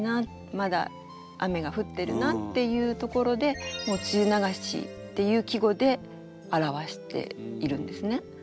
「まだ雨が降ってるな」っていうところでもう「梅雨長し」っていう季語で表しているんですね。